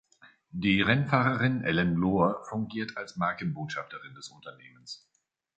Die Rennfahrerin Ellen Lohr fungiert als Markenbotschafterin des Unternehmens.